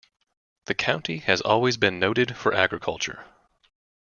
The county has always been noted for agriculture.